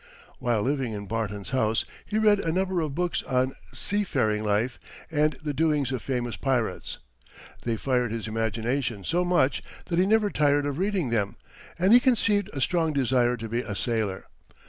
While living in Barton's house, he read a number of books on seafaring life and the doings of famous pirates. They fired his imagination so much, that he never tired of reading them, and he conceived a strong desire to be a sailor.